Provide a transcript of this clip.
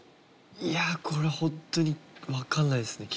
いやこれホントにわかんないですね。